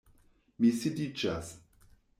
Mi sidiĝas.